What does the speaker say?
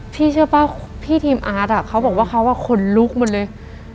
เชื่อป่ะพี่ทีมอาร์ตเขาบอกว่าเขาขนลุกหมดเลย